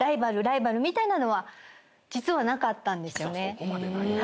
そこまでないんだ。